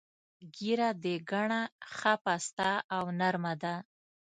ږیره دې ګڼه، ښه پسته او نر مه ده.